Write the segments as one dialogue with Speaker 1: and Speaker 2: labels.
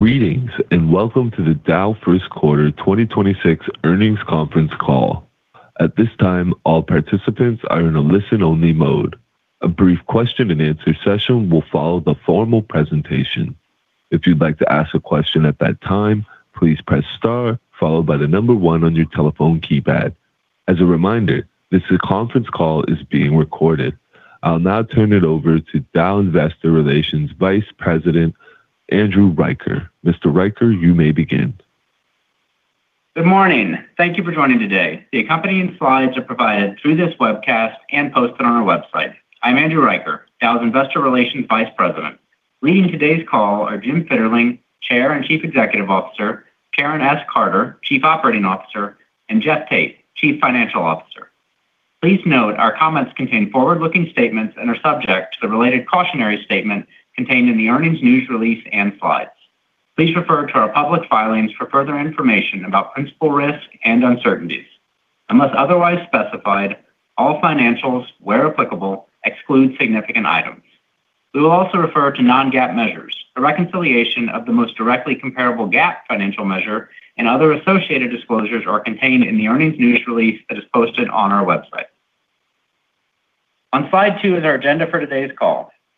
Speaker 1: Greetings, and welcome to the Dow first quarter 2026 earnings conference call. At this time, all participants are in a listen-only mode. A brief question and answer session will follow the formal presentation.
Speaker 2: Good morning. Thank you for joining today. The accompanying slides are provided through this webcast and posted on our website. I'm Andrew Riker, Dow's Investor Relations Vice President.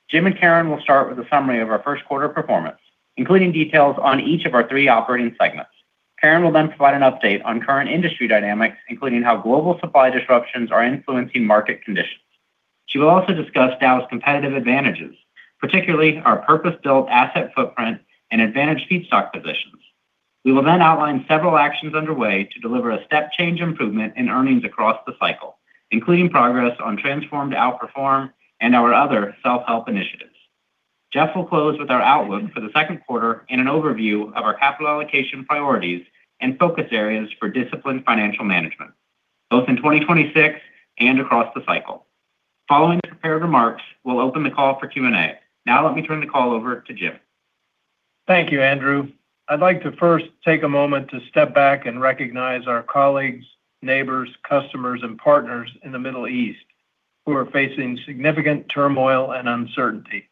Speaker 2: Jim and Karen will start with a summary of our first quarter performance, including details on each of our three operating segments. Karen will then provide an update on current industry dynamics, including how global supply disruptions are influencing market conditions.
Speaker 3: Thank you, Andrew. I'd like to first take a moment to step back and recognize our colleagues, neighbors, customers and partners in the Middle East who are facing significant turmoil and uncertainty.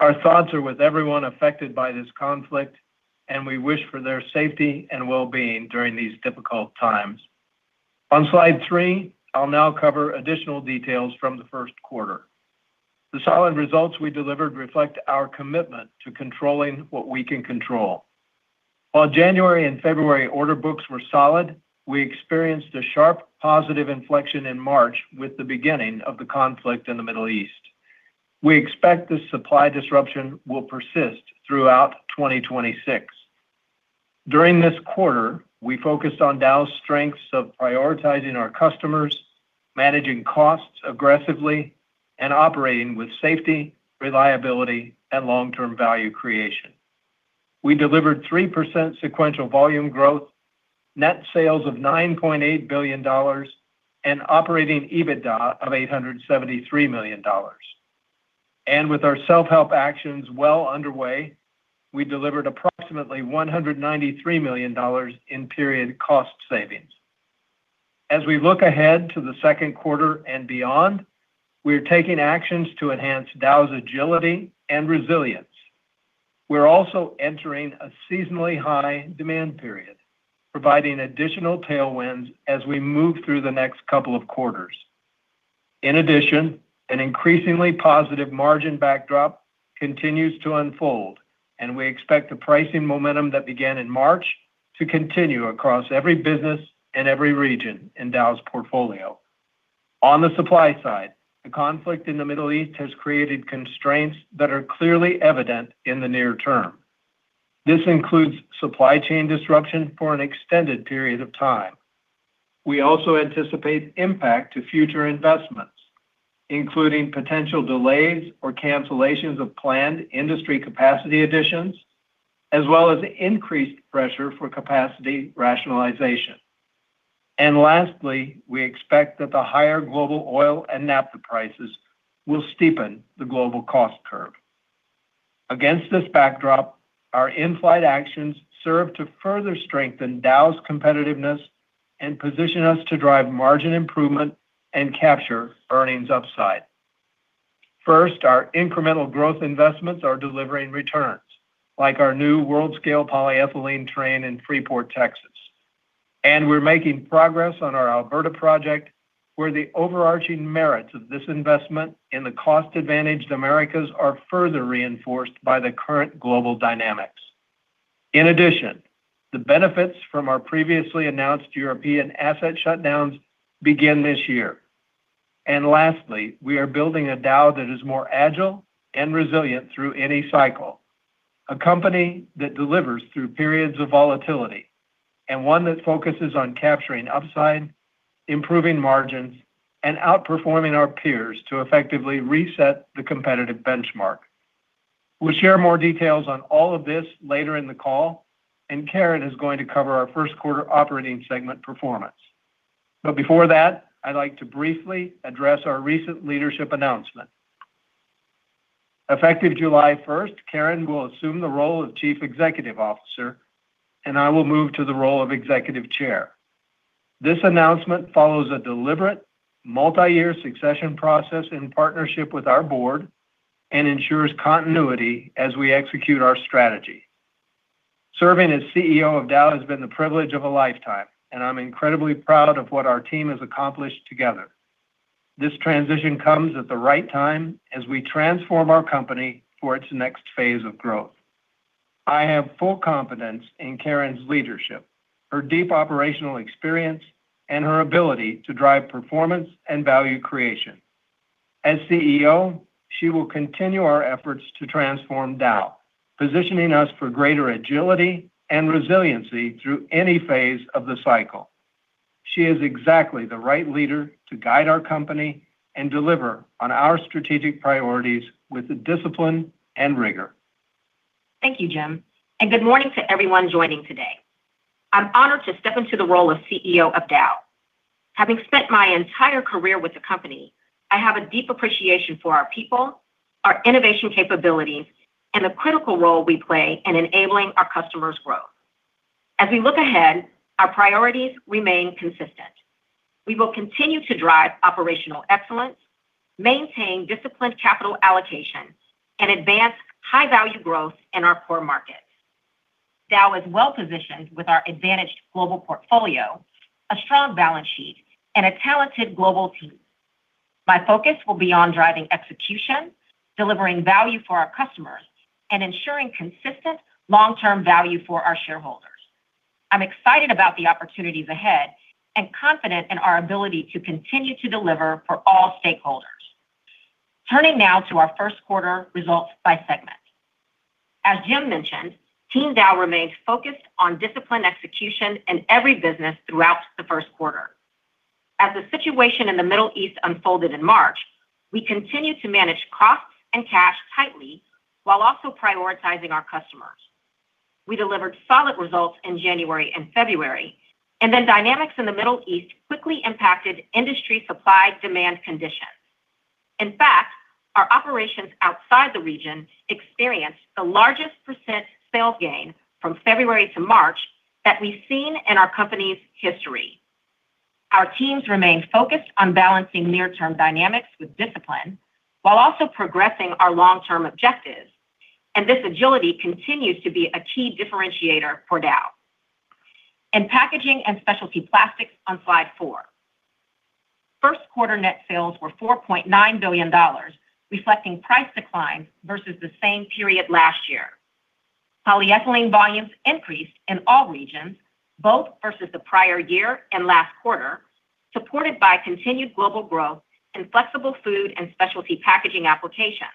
Speaker 3: Our thoughts are with everyone affected by this conflict, and we wish for their safety and wellbeing during these difficult times. We delivered 3% sequential volume growth, net sales of $9.8 billion, and operating EBITDA of $873 million. With our self-help actions well underway, we delivered approximately $193 million in period cost savings. We also anticipate impact to future investments, including potential delays or cancellations of planned industry capacity additions, as well as increased pressure for capacity rationalization. Lastly, we expect that the higher global oil and naphtha prices will steepen the global cost curve. Lastly, we are building a Dow that is more agile and resilient through any cycle, a company that delivers through periods of volatility, and one that focuses on capturing upside, improving margins, and outperforming our peers to effectively reset the competitive benchmark. This transition comes at the right time as we transform our company for its next phase of growth. I have full confidence in Karen's leadership, her deep operational experience, and her ability to drive performance and value creation.
Speaker 4: Thank you, Jim, and good morning to everyone joining today. I'm honored to step into the role of CEO of Dow. Having spent my entire career with the company, I have a deep appreciation for our people, our innovation capabilities, and the critical role we play in enabling our customers' growth. As Jim mentioned, Team Dow remains focused on disciplined execution in every business throughout the first quarter. As the situation in the Middle East unfolded in March, we continued to manage costs and cash tightly while also prioritizing our customers. Polyethylene volumes increased in all regions, both versus the prior year and last quarter, supported by continued global growth in flexible food and specialty packaging applications.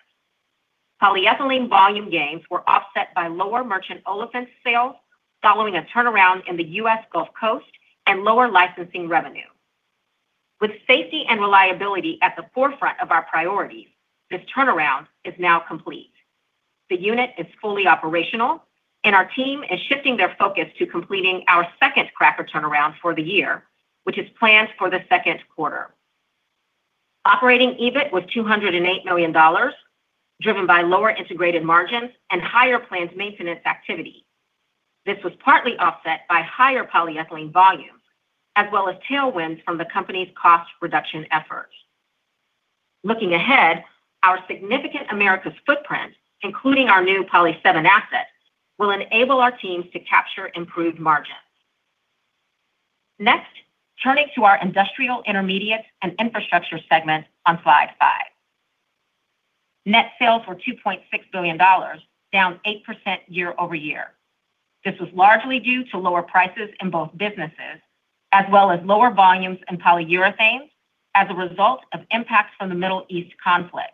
Speaker 4: Polyethylene volume gains were offset by lower merchant olefins sales following a turnaround in the U.S. Gulf Coast and lower licensing revenue. Next, turning to our Industrial Intermediates and Infrastructure segment on slide five. Net sales were $2.6 billion, down 8% year-over-year. This was largely due to lower prices in both businesses, as well as lower volumes in polyurethanes as a result of impacts from the Middle East conflict.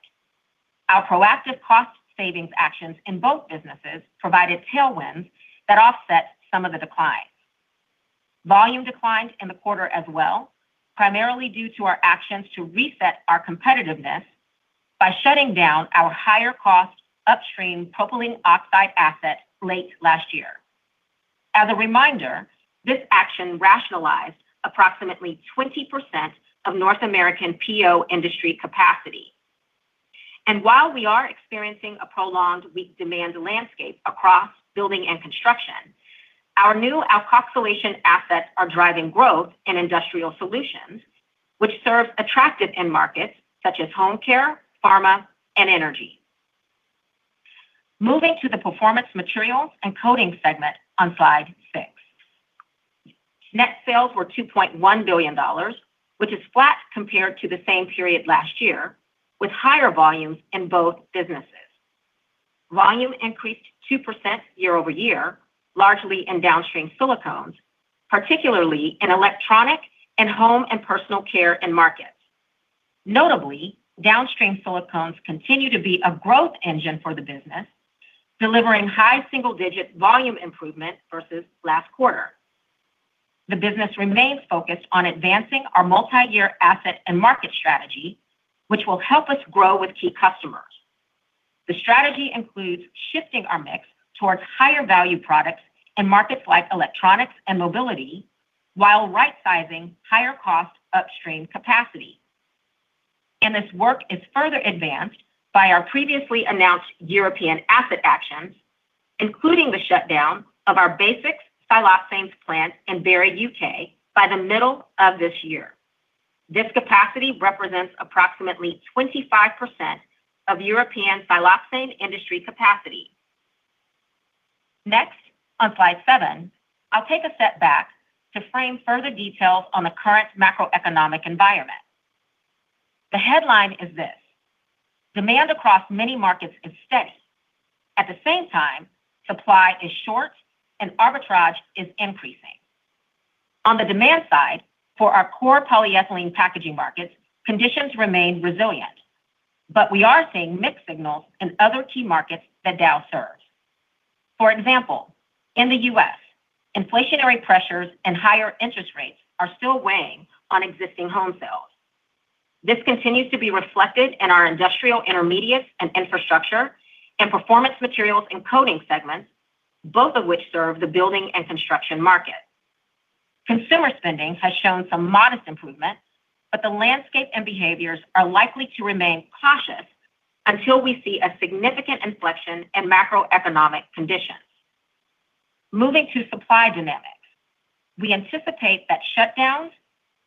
Speaker 4: Moving to the Performance Materials and Coatings segment on slide six. Net sales were $2.1 billion, which is flat compared to the same period last year, with higher volumes in both businesses. This capacity represents approximately 25% of European siloxane industry capacity. Next, on slide seven, I'll take a step back to frame further details on the current macroeconomic environment. The headline is this: demand across many markets is steady. At the same time, supply is short, and arbitrage is increasing. Moving to supply dynamics, we anticipate that shutdowns,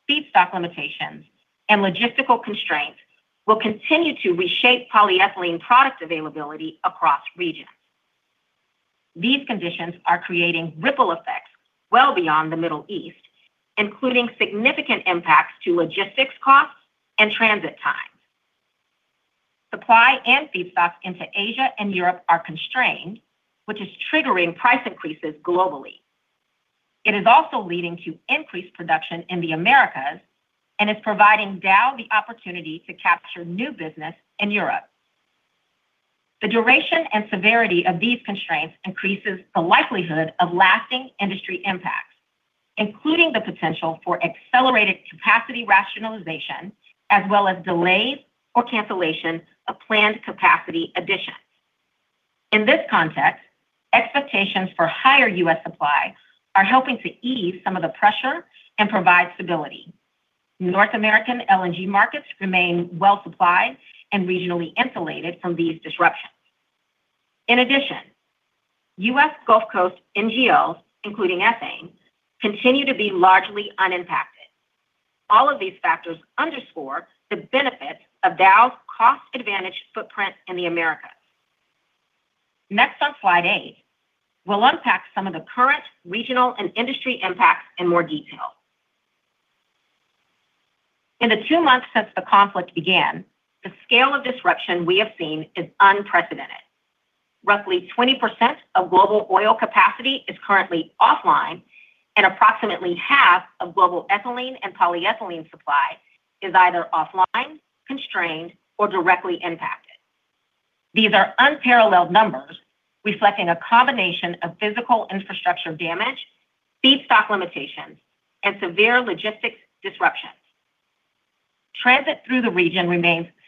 Speaker 4: feedstock limitations, and logistical constraints will continue to reshape polyethylene product availability across regions. These conditions are creating ripple effects well beyond the Middle East, including significant impacts to logistics costs and transit times. In addition, U.S. Gulf Coast NGLs, including ethane, continue to be largely unimpacted. All of these factors underscore the benefits of Dow's cost-advantaged footprint in the Americas. Next, on slide eight, we'll unpack some of the current regional and industry impacts in more detail.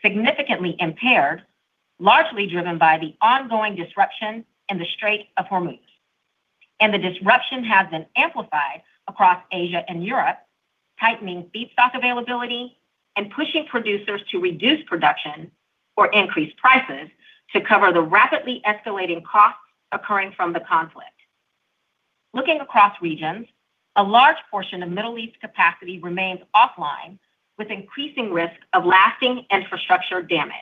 Speaker 4: The disruption has been amplified across Asia and Europe, tightening feedstock availability and pushing producers to reduce production or increase prices to cover the rapidly escalating costs occurring from the conflict. Looking across regions, a large portion of Middle East capacity remains offline, with increasing risk of lasting infrastructure damage.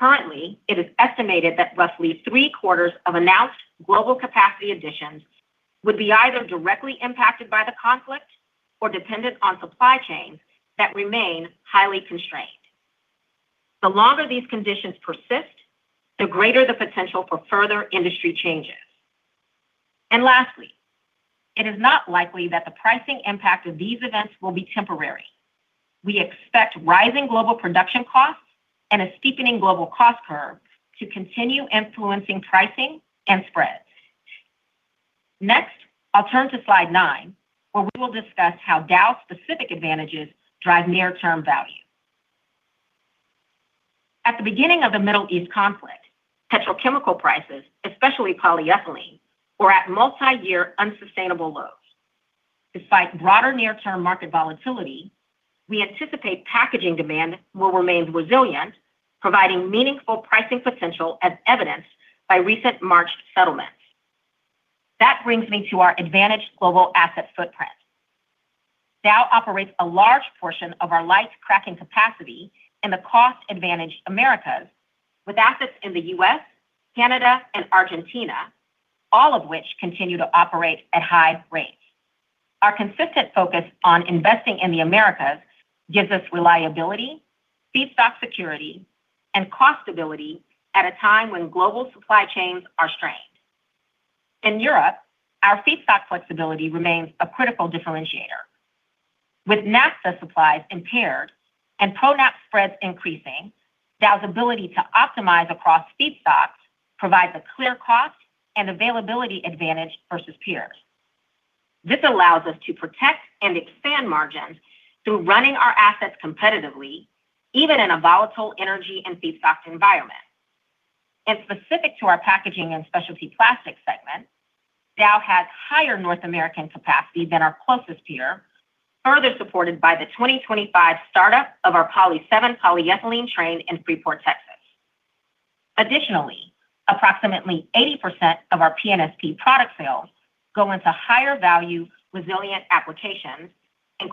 Speaker 4: Lastly, it is not likely that the pricing impact of these events will be temporary. We expect rising global production costs and a steepening global cost curve to continue influencing pricing and spreads. Next, I'll turn to slide nine, where we will discuss how Dow's specific advantages drive near-term value. Our consistent focus on investing in the Americas gives us reliability, feedstock security, and cost stability at a time when global supply chains are strained. In Europe, our feedstock flexibility remains a critical differentiator. The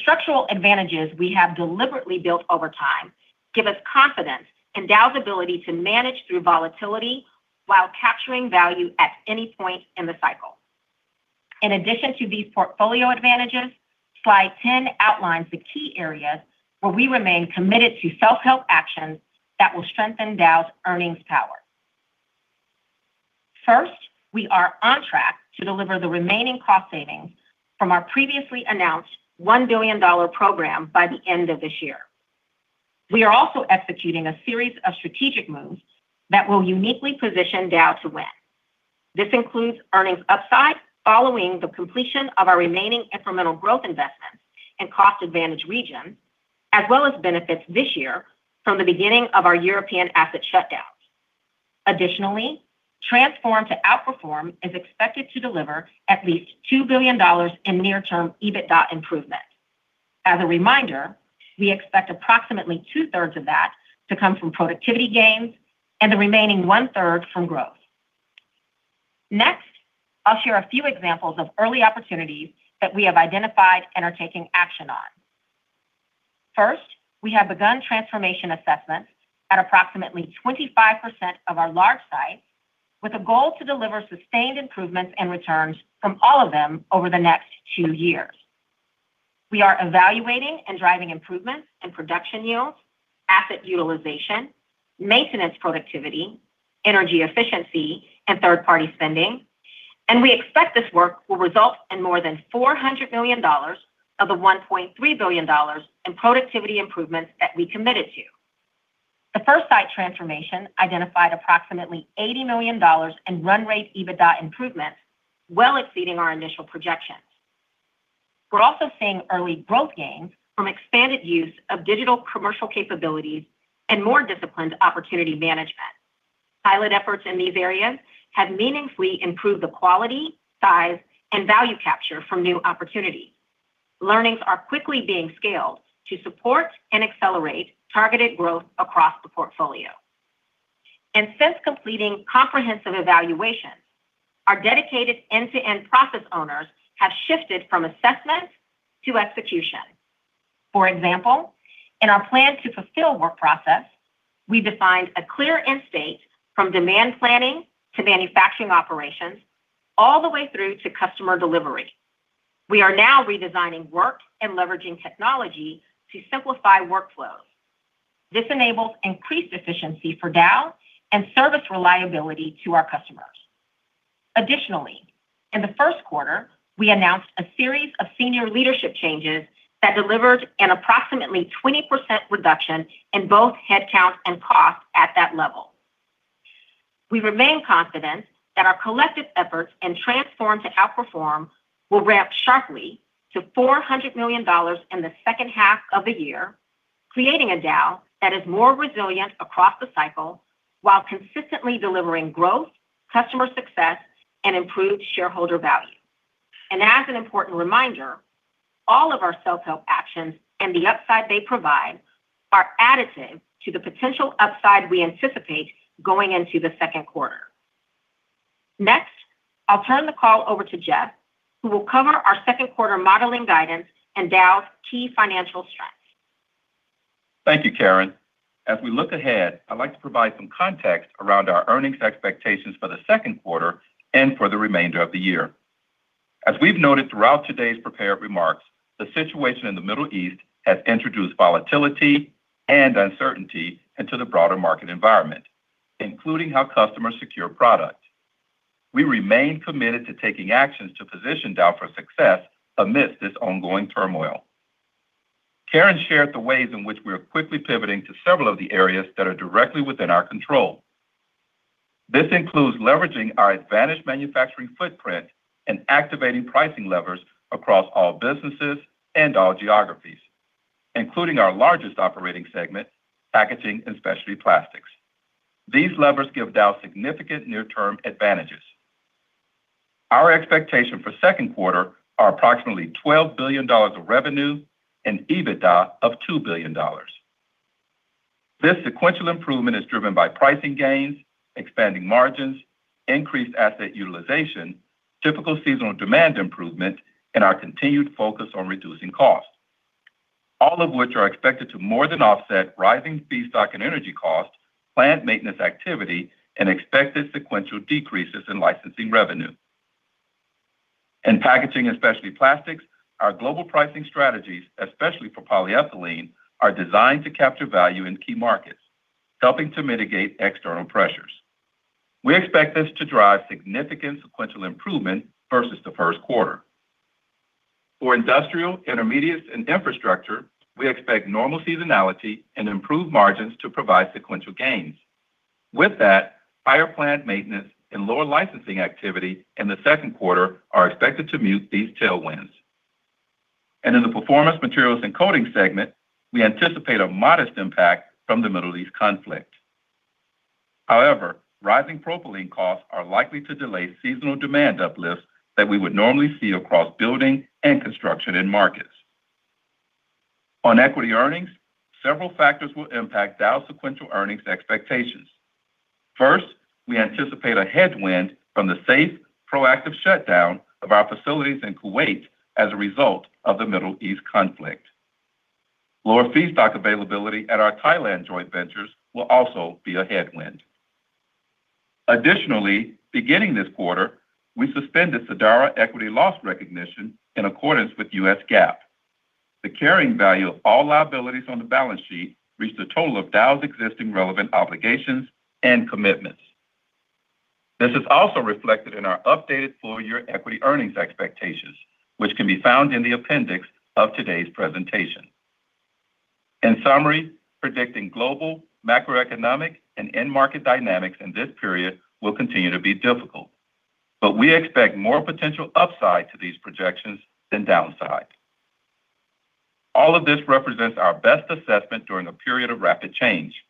Speaker 4: structural advantages we have deliberately built over time give us confidence in Dow's ability to manage through volatility while capturing value at any point in the cycle. In addition to these portfolio advantages, slide 10 outlines the key areas where we remain committed to self-help actions that will strengthen Dow's earnings power. As a reminder, we expect approximately two-thirds of that to come from productivity gains and the remaining one-third from growth. Next, I'll share a few examples of early opportunities that we have identified and are taking action on. Pilot efforts in these areas have meaningfully improved the quality, size, and value capture from new opportunities. Learnings are quickly being scaled to support and accelerate targeted growth across the portfolio. We remain confident that our collective efforts in Transform to Outperform will ramp sharply to $400 million in the second half of the year, creating a Dow that is more resilient across the cycle while consistently delivering growth, customer success, and improved shareholder value.
Speaker 5: Thank you, Karen. As we look ahead, I'd like to provide some context around our earnings expectations for the second quarter and for the remainder of the year. This sequential improvement is driven by pricing gains, expanding margins, increased asset utilization, typical seasonal demand improvement, and our continued focus on reducing costs, all of which are expected to more than offset rising feedstock and energy costs, plant maintenance activity, and expected sequential decreases in licensing revenue. However, rising propylene costs are likely to delay seasonal demand uplifts that we would normally see across building and construction end markets. On equity earnings, several factors will impact Dow's sequential earnings expectations. In summary, predicting global macroeconomic and end market dynamics in this period will continue to be difficult, but we expect more potential upside to these projections than downside. All of this represents our best assessment during a period of rapid change.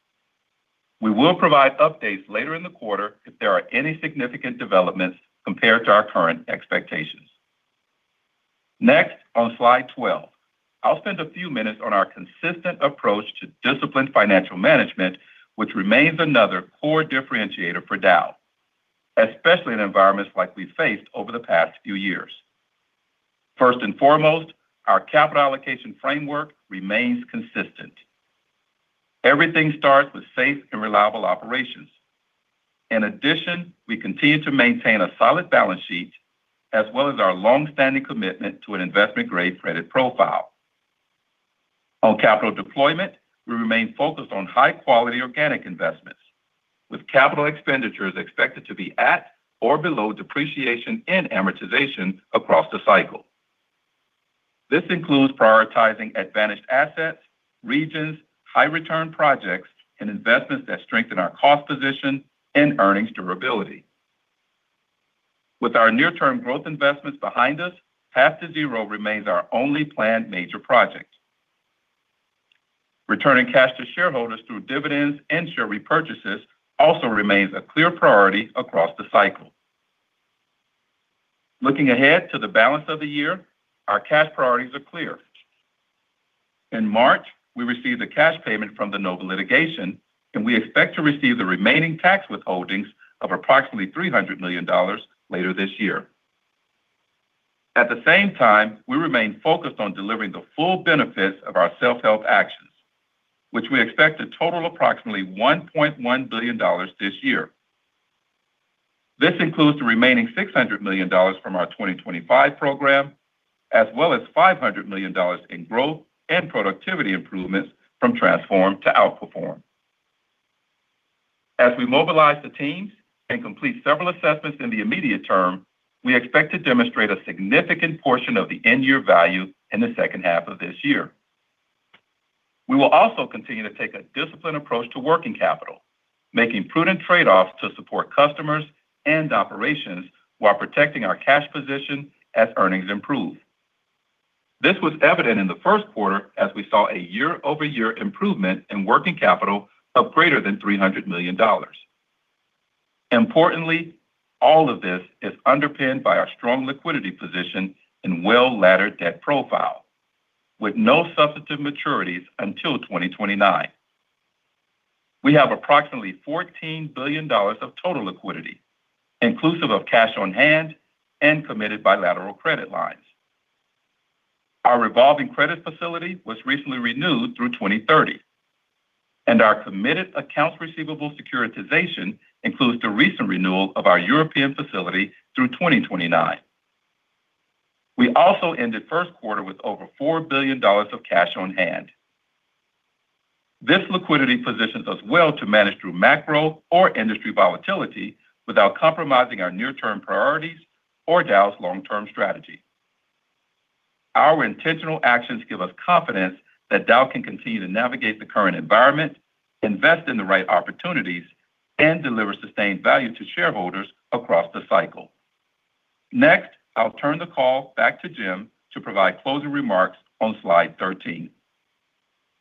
Speaker 5: On capital deployment, we remain focused on high-quality organic investments, with capital expenditures expected to be at or below depreciation and amortization across the cycle. This includes prioritizing advantaged assets, regions, high return projects, and investments that strengthen our cost position and earnings durability. This includes the remaining $600 million from our 2025 program, as well as $500 million in growth and productivity improvements from Transform to Outperform. As we mobilize the teams and complete several assessments in the immediate term, we expect to demonstrate a significant portion of the end-year value in the second half of this year. Our revolving credit facility was recently renewed through 2030, and our committed accounts receivable securitization includes the recent renewal of our European facility through 2029. We also ended the first quarter with over $4 billion of cash on hand.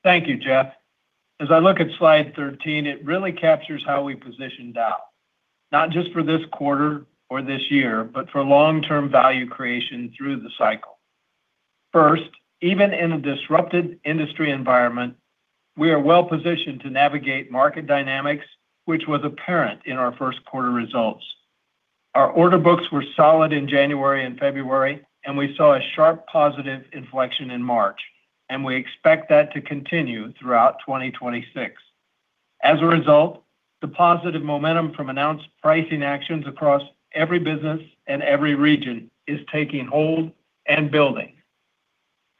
Speaker 3: Thank you, Jeff. As I look at slide 13, it really captures how we position Dow, not just for this quarter or this year, but for long-term value creation through the cycle.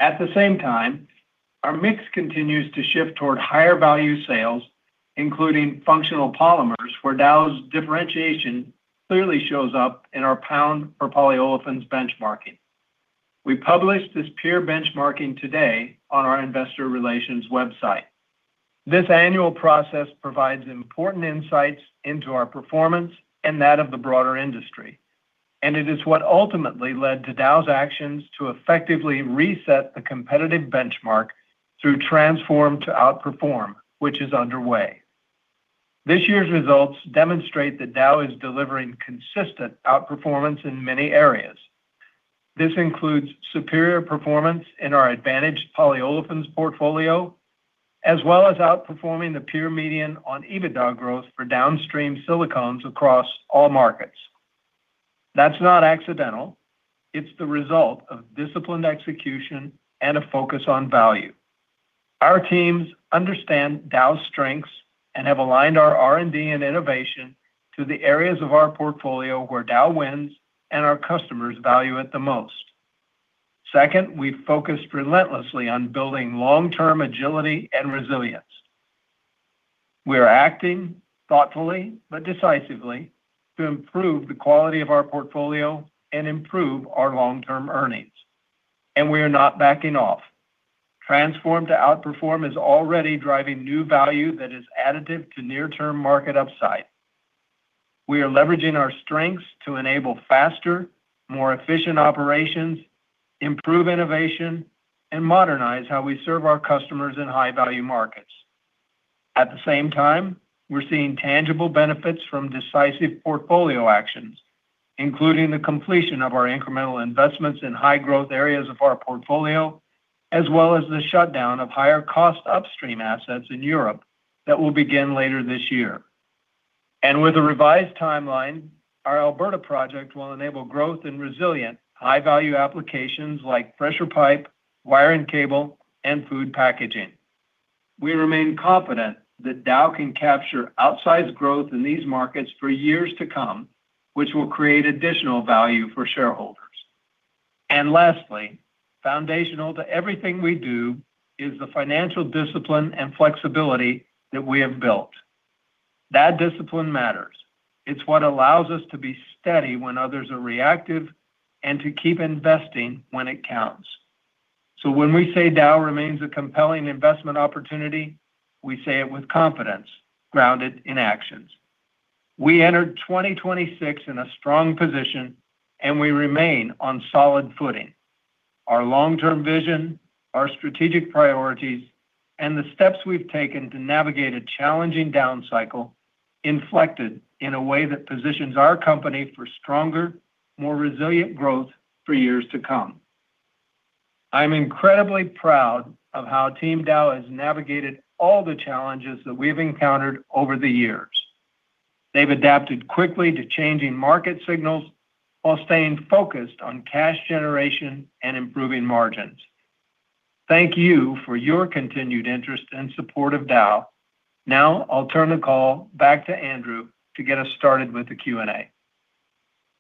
Speaker 3: This annual process provides important insights into our performance and that of the broader industry, and it is what ultimately led to Dow's actions to effectively reset the competitive benchmark through Transform to Outperform, which is underway. We are acting thoughtfully but decisively to improve the quality of our portfolio and improve our long-term earnings, and we are not backing off. Transform to Outperform is already driving new value that is additive to near-term market upside. We remain confident that Dow can capture outsized growth in these markets for years to come, which will create additional value for shareholders. Lastly, foundational to everything we do is the financial discipline and flexibility that we have built. They've adapted quickly to changing market signals while staying focused on cash generation and improving margins. Thank you for your continued interest and support of Dow. Now, I'll turn the call back to Andrew to get us started with the Q&A.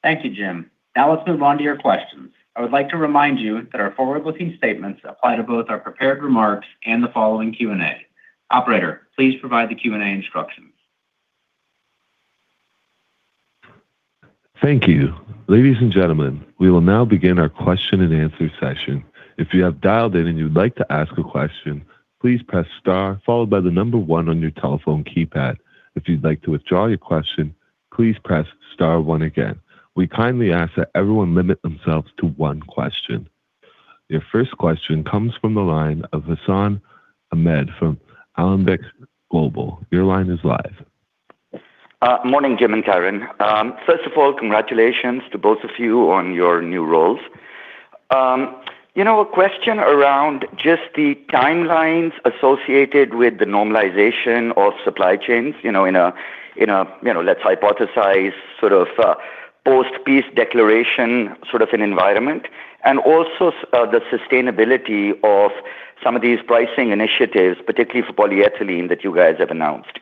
Speaker 2: Thank you, Jim. Now let's move on to your questions. I would like to remind you that our forward-looking statements apply to both our prepared remarks and the following Q&A. Operator, please provide the Q&A instructions.
Speaker 1: Thank you. Ladies and gentlemen, we will now begin our question and answer session. If you have dialed in and you'd like to ask a question, please press star followed by the number one on your telephone keypad.
Speaker 6: Morning, Jim and Karen. First of all, congratulations to both of you on your new roles. A question around just the timelines associated with the normalization of supply chains, in a let's hypothesize sort of post-peace declaration sort of an environment, and also the sustainability of some of these pricing initiatives, particularly for polyethylene that you guys have announced.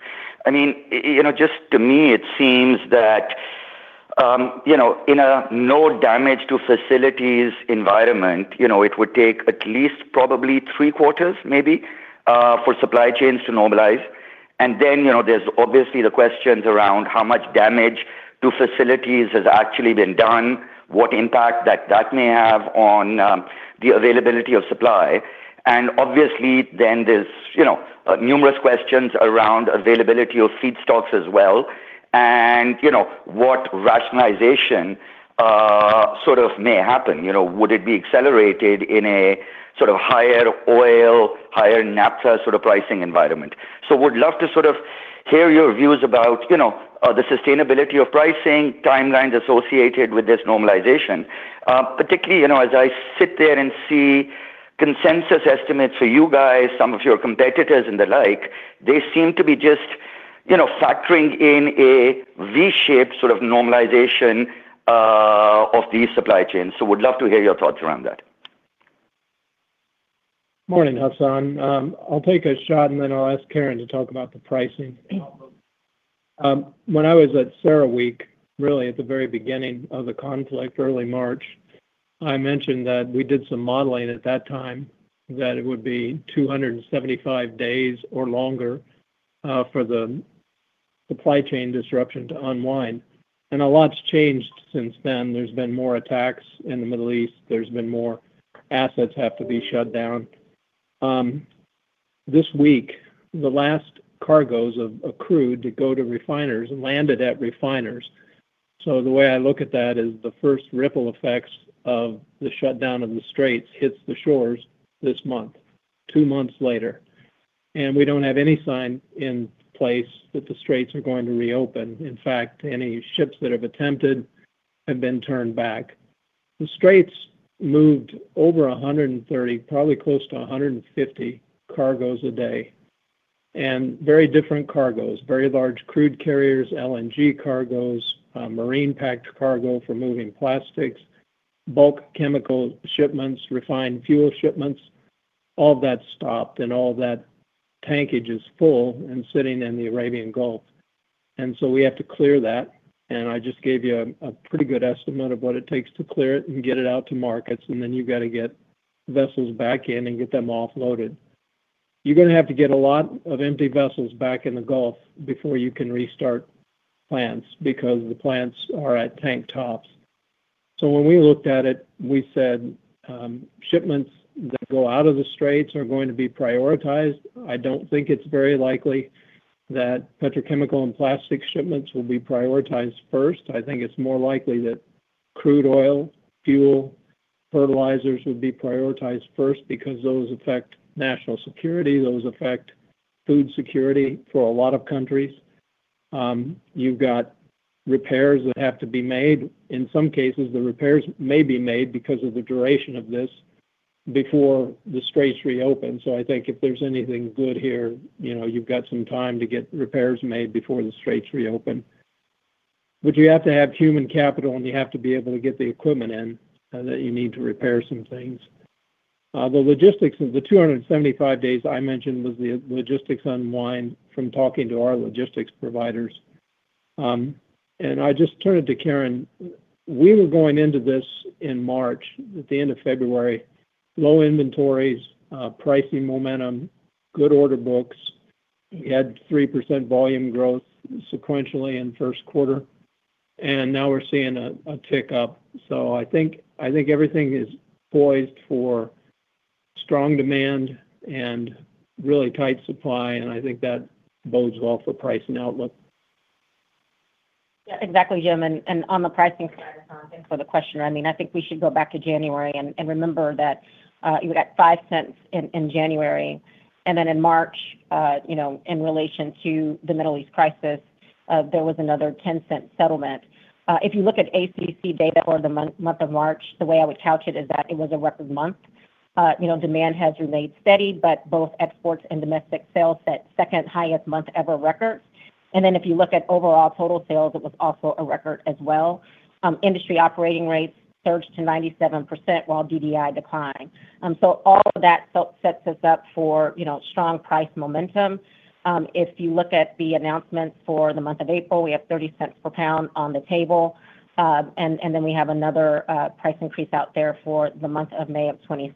Speaker 6: Would love to sort of hear your views about the sustainability of pricing timelines associated with this normalization. Particularly, as I sit there and see consensus estimates for you guys, some of your competitors and the like, they seem to be just factoring in a V-shaped sort of normalization of these supply chains. Would love to hear your thoughts around that.
Speaker 3: Morning, Hassan. I'll take a shot, and then I'll ask Karen to talk about the pricing. When I was at CERAWeek, really at the very beginning of the conflict, early March, I mentioned that we did some modeling at that time that it would be 275 days or longer for the supply chain disruption to unwind. The Straits moved over 130, probably close to 150 cargoes a day, and very different cargoes, very large crude carriers, LNG cargoes, marine-packed cargo for moving plastics, bulk chemical shipments, refined fuel shipments. I don't think it's very likely that petrochemical and plastic shipments will be prioritized first. I think it's more likely that crude oil, fuel, fertilizers would be prioritized first because those affect national security, those affect food security for a lot of countries. We were going into this in March, at the end of February, low inventories, pricing momentum, good order books. We had 3% volume growth sequentially in first quarter, and now we're seeing a tick up. I think everything is poised for strong demand and really tight supply, and I think that bodes well for pricing outlook.
Speaker 4: Yeah, exactly, Jim. On the pricing side, Hassan, thanks for the question. I think we should go back to January and remember that you were at $0.05 in January, and then in March, in relation to the Middle East crisis, there was another $0.10 settlement. If you look at the announcements for the month of April, we have $0.30 per pound on the table, and then we have another price increase out there for the month of May of $0.20.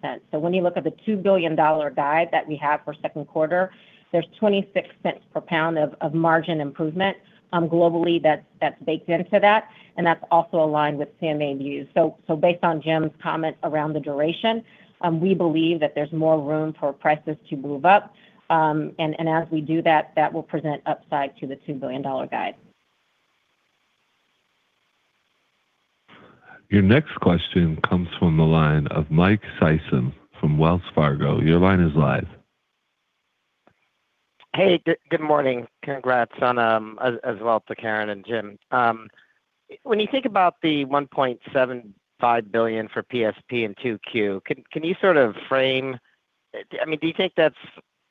Speaker 1: Your next question comes from the line of Michael Sison from Wells Fargo. Your line is live.
Speaker 7: Hey, good morning. Congrats as well to Karen and Jim. When you think about the $1.75 billion for P&SP in 2Q, can you sort of frame, do you think that's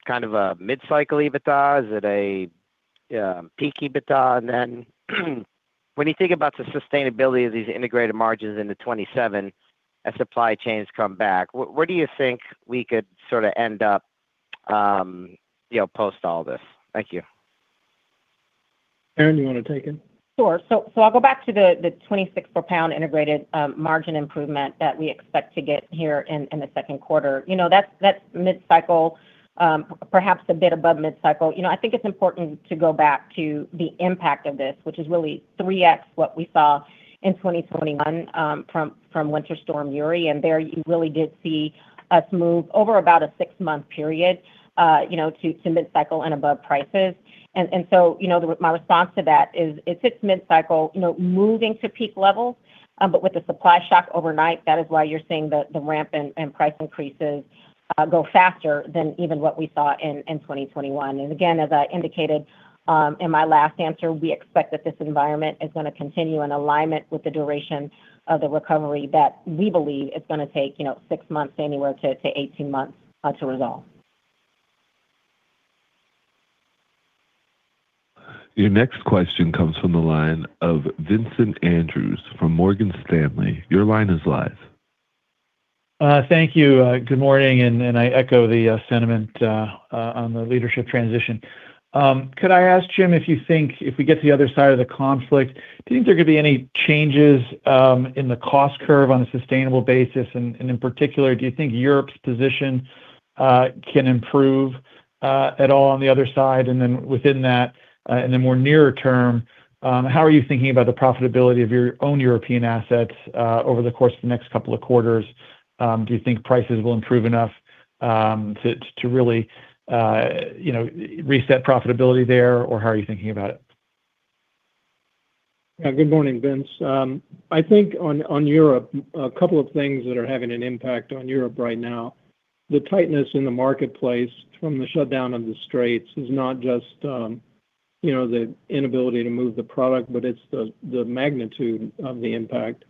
Speaker 7: kind of a mid-cycle EBITDA? Is it a peak EBITDA? When you think about the sustainability of these integrated margins into 2027 as supply chains come back, where do you think we could sort of end up post all this? Thank you.
Speaker 3: Karen, do you want to take it?
Speaker 4: Sure. I'll go back to the $0.26 per pound integrated margin improvement that we expect to get here in the second quarter. That's mid-cycle, perhaps a bit above mid-cycle. Again, as I indicated in my last answer, we expect that this environment is going to continue in alignment with the duration of the recovery that we believe is going to take six months anywhere to 18 months to resolve.
Speaker 1: Your next question comes from the line of Vincent Andrews from Morgan Stanley. Your line is live.
Speaker 8: Thank you. Good morning, and I echo the sentiment on the leadership transition. Could I ask Jim if you think if we get to the other side of the conflict, do you think there could be any changes in the cost curve on a sustainable basis? In particular, do you think Europe's position can improve at all on the other side?
Speaker 3: Yeah. Good morning, Vince. I think on Europe, a couple of things that are having an impact on Europe right now, the tightness in the marketplace from the shutdown of the Straits is not just the inability to move the product, but it's the magnitude of the impact.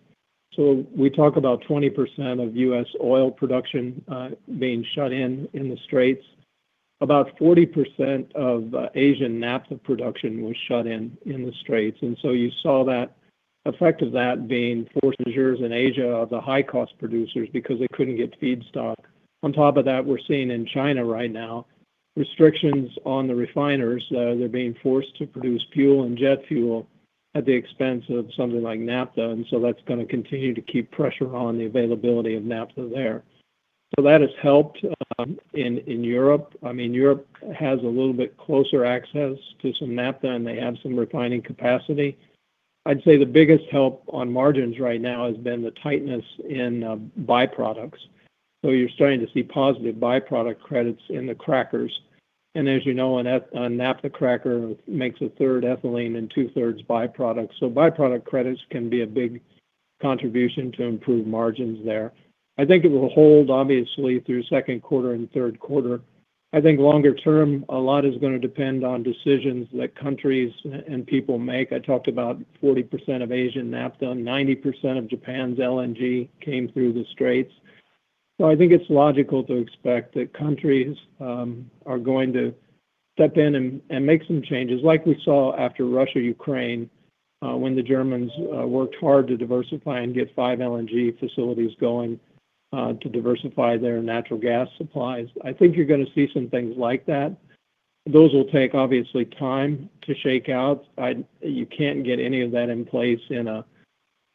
Speaker 3: Europe has a little bit closer access to some naphtha, and they have some refining capacity. I'd say the biggest help on margins right now has been the tightness in byproducts. You're starting to see positive byproduct credits in the crackers. I think it's logical to expect that countries are going to step in and make some changes like we saw after Russia, Ukraine, when the Germans worked hard to diversify and get five LNG facilities going to diversify their natural gas supplies.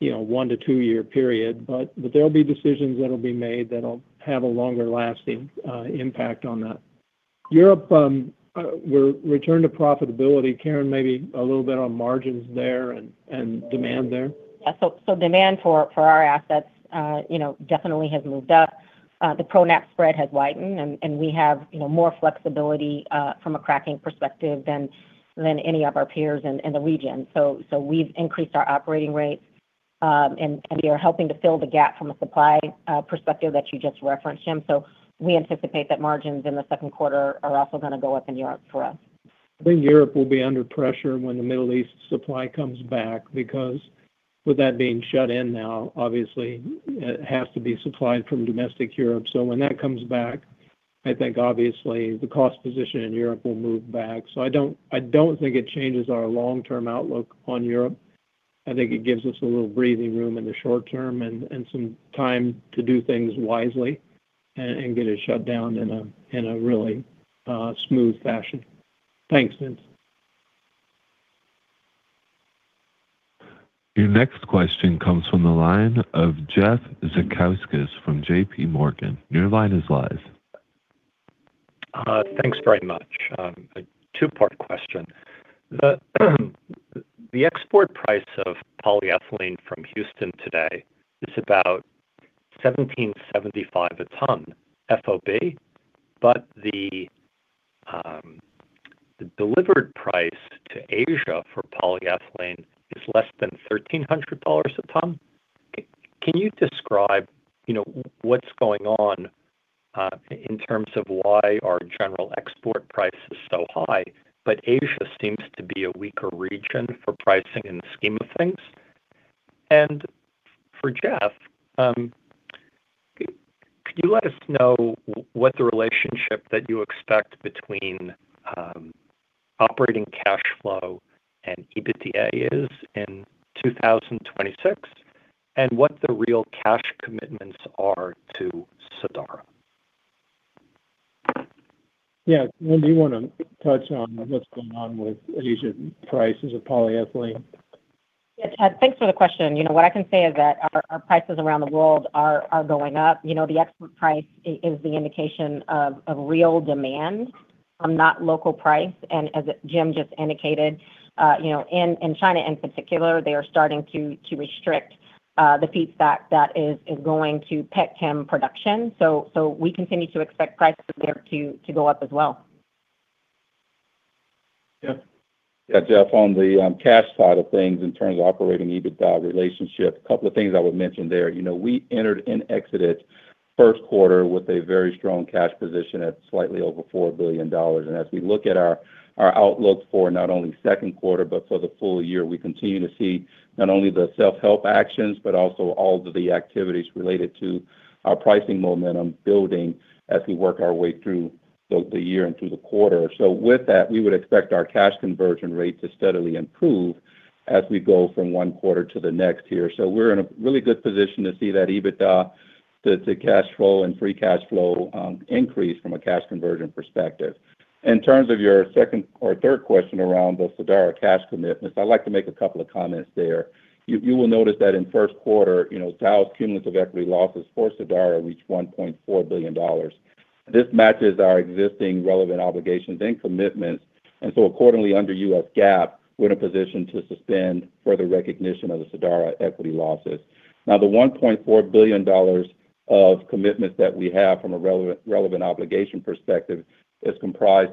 Speaker 4: Yeah. Demand for our assets definitely has moved up. The propane-naphtha spread has widened, and we have more flexibility from a cracking perspective than any of our peers in the region.
Speaker 3: I think Europe will be under pressure when the Middle East supply comes back because with that being shut in now, obviously it has to be supplied from domestic Europe. When that comes back, I think obviously the cost position in Europe will move back.
Speaker 1: Your next question comes from the line of Jeff Zekauskas from JPMorgan. Your line is live.
Speaker 9: Thanks very much. A two-part question. The export price of polyethylene from Houston today is about $1,775 a ton FOB, but the delivered price to Asia for polyethylene is less than $1,300 a ton.
Speaker 3: Yeah. Wendy, you want to touch on what's going on with Asian prices of polyethylene?
Speaker 4: Yeah. Jeff, thanks for the question. What I can say is that our prices around the world are going up. The export price is the indication of real demand, not local price. As Jim just indicated, in China in particular, they are starting to restrict the feedstock that is going to pet chem production. We continue to expect prices there to go up as well.
Speaker 3: Jeff?
Speaker 5: Yeah, Jeff, on the cash side of things in terms of operating EBITDA relationship, couple of things I would mention there. We entered and exited first quarter with a very strong cash position at slightly over $4 billion. With that, we would expect our cash conversion rate to steadily improve as we go from one quarter to the next year. We're in a really good position to see that EBITDA, the cash flow and free cash flow increase from a cash conversion perspective. We have approximately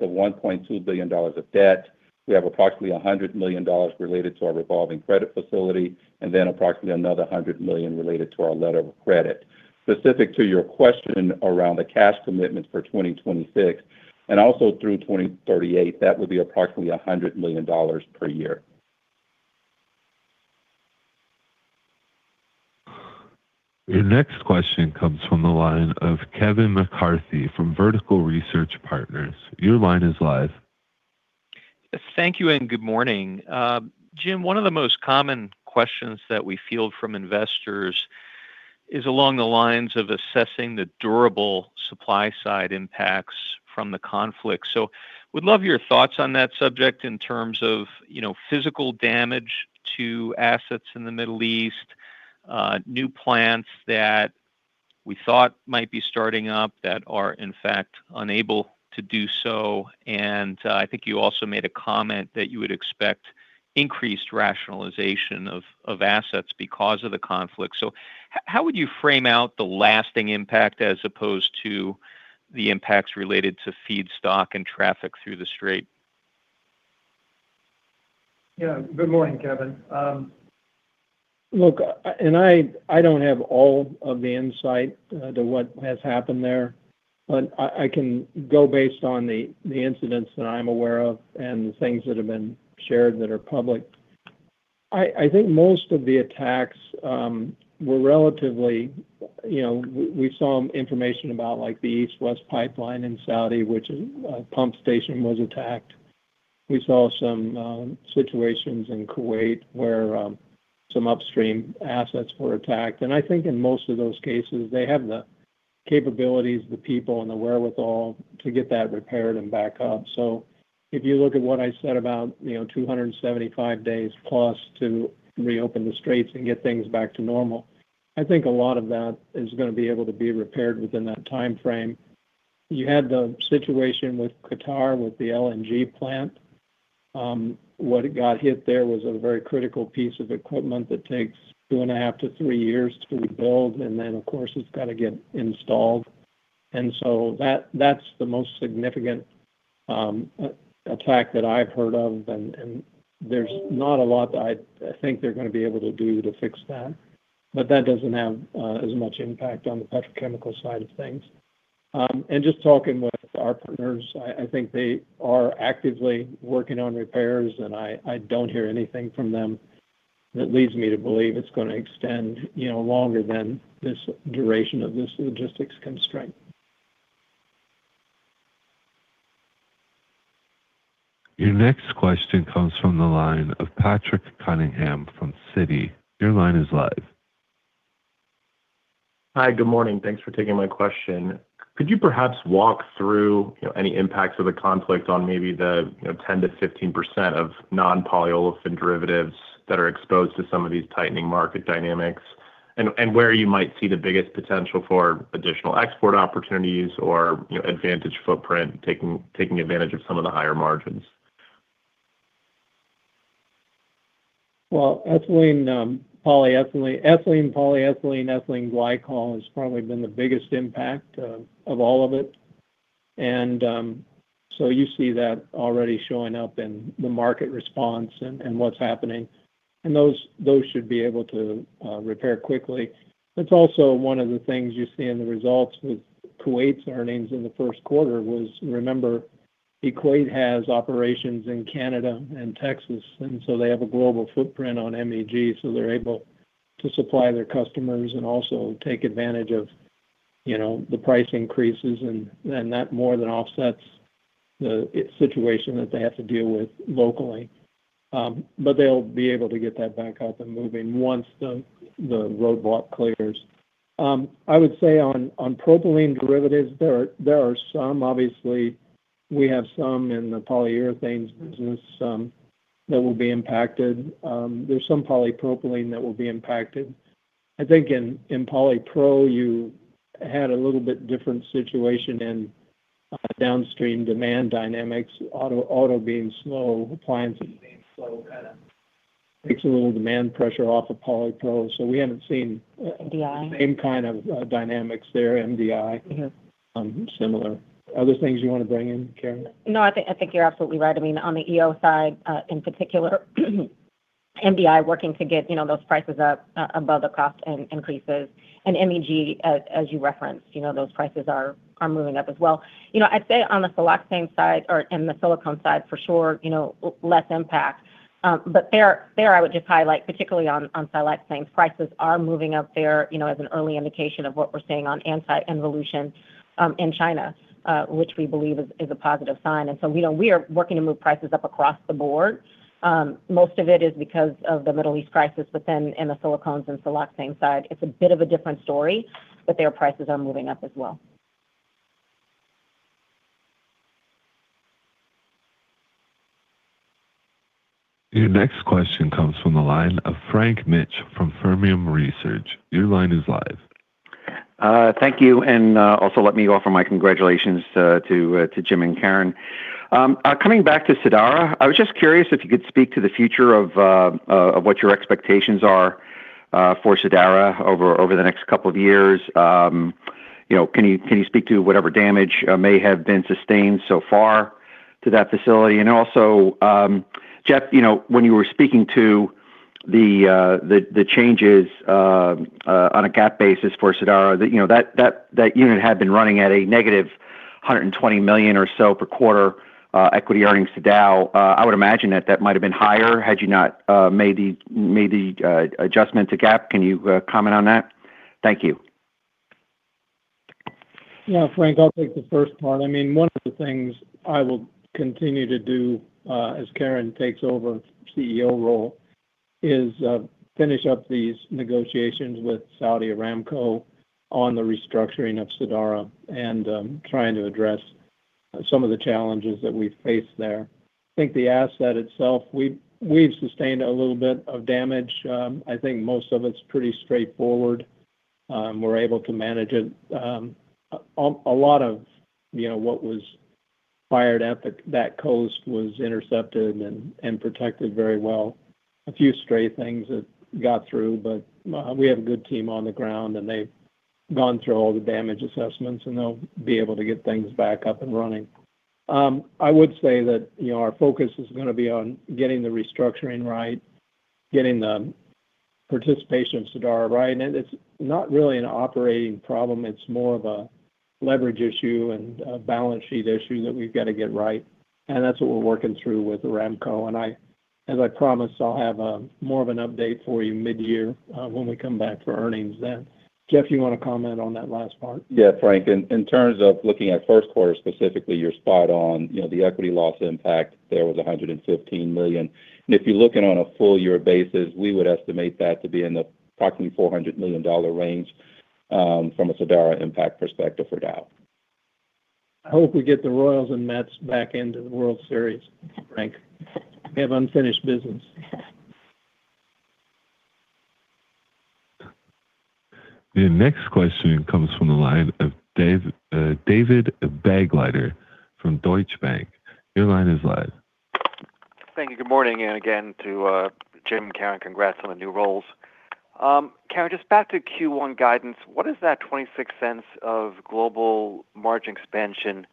Speaker 5: $100 million related to our revolving credit facility, and then approximately another $100 million related to our letter of credit. Specific to your question around the cash commitments for 2026 and also through 2038, that would be approximately $100 million per year.
Speaker 1: Your next question comes from the line of Kevin McCarthy from Vertical Research Partners. Your line is live.
Speaker 10: Thank you, and good morning. Jim, one of the most common questions that we field from investors is along the lines of assessing the durable supply-side impacts from the conflict.
Speaker 3: Yeah. Good morning, Kevin. Look, I don't have all of the insight to what has happened there, but I can go based on the incidents that I'm aware of and the things that have been shared that are public. What it got hit there was a very critical piece of equipment that takes 2.5-3 years to rebuild, and then, of course, it's got to get installed. That's the most significant attack that I've heard of, and there's not a lot I think they're going to be able to do to fix that.
Speaker 1: Your next question comes from the line of Patrick Cunningham from Citi. Your line is live.
Speaker 11: Hi. Good morning. Thanks for taking my question. Could you perhaps walk through any impacts of the conflict on maybe the 10%-15% of non-polyolefin derivatives that are exposed to some of these tightening market dynamics? Where you might see the biggest potential for additional export opportunities or advantage footprint taking advantage of some of the higher margins?
Speaker 3: Well, ethylene, polyethylene, ethylene glycol has probably been the biggest impact of all of it. You see that already showing up in the market response and what's happening. Those should be able to repair quickly. I think in polypropylene, you had a little bit different situation in downstream demand dynamics, auto being slow, appliances being slow, kind of takes a little demand pressure off of polypropylene. We haven't seen
Speaker 4: MDI
Speaker 3: the same kind of dynamics there.
Speaker 4: Mm-hmm
Speaker 3: Similar. Other things you want to bring in, Karen?
Speaker 4: No, I think you're absolutely right. I mean, on the EO side, in particular, MDI working to get those prices up above the cost increases. MEG, as you referenced, those prices are moving up as well.
Speaker 1: Your next question comes from the line of Frank Mitsch from Fermium Research. Your line is live.
Speaker 12: Thank you, and also let me offer my congratulations to Jim and Karen. Coming back to Sadara, I was just curious if you could speak to the future of what your expectations are for Sadara over the next couple of years.
Speaker 3: Yeah, Frank, I'll take the first part. One of the things I will continue to do, as Karen takes over the CEO role is finish up these negotiations with Saudi Aramco on the restructuring of Sadara and trying to address some of the challenges that we face there. It's more of a leverage issue and a balance sheet issue that we've got to get right, and that's what we're working through with Aramco. As I promised, I'll have more of an update for you mid-year when we come back for earnings then. Jeff, you want to comment on that last part?
Speaker 5: Yeah, Frank, in terms of looking at first quarter specifically, you're spot on. The equity loss impact there was $115 million. If you're looking on a full year basis, we would estimate that to be in the approximately $400 million range, from a Sadara impact perspective for Dow.
Speaker 3: I hope we get the Royals and Mets back into the World Series, Frank. We have unfinished business.
Speaker 1: The next question comes from the line of David Begleiter from Deutsche Bank. Your line is live.
Speaker 13: Thank you. Good morning, and again to Jim, Karen, congrats on the new roles. Karen, just back to Q1 guidance. What does that $0.26 of global margin expansion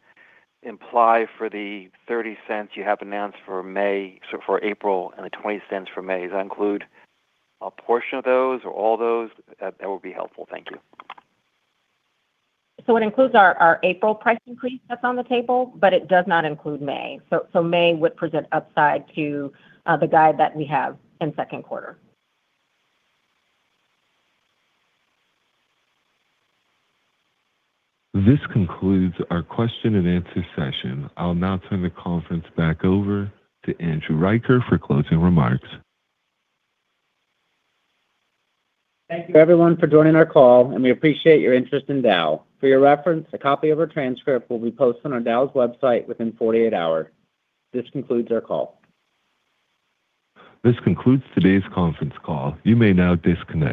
Speaker 13: imply for the $0.30 you have announced for April and the $0.20 for May? Does that include a portion of those or all those? That would be helpful. Thank you.
Speaker 4: It includes our April price increase that's on the table, but it does not include May. May would present upside to the guide that we have in second quarter.
Speaker 1: This concludes our question and answer session. I'll now turn the conference back over to Andrew Riker for closing remarks.
Speaker 2: Thank you everyone for joining our call, and we appreciate your interest in Dow. For your reference, a copy of our transcript will be posted on Dow's website within 48 hours. This concludes our call.
Speaker 1: This concludes today's conference call. You may now disconnect.